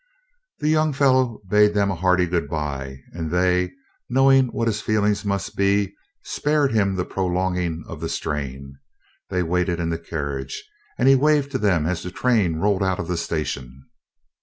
The young fellow bade them a hearty good bye, and they, knowing what his feelings must be, spared him the prolonging of the strain. They waited in the carriage, and he waved to them as the train rolled out of the station.